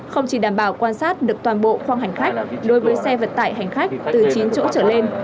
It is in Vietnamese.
không chỉ đảm bảo quan sát được toàn bộ khoang hành khách đối với xe vận tải hành khách từ chín chỗ trở lên